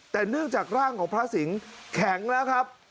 แต่เนื่องจากร่างของพระสิงศ์แข็งแล้วครับ